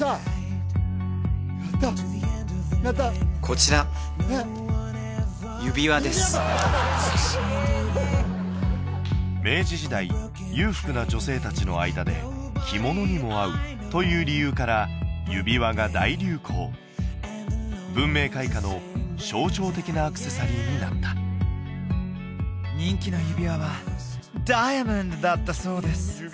こちら指輪です明治時代裕福な女性達の間で着物にも合うという理由から指輪が大流行文明開化の象徴的なアクセサリーになった人気の指輪はダイヤモンドだったそうです